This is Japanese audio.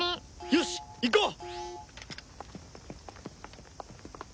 よし行こう！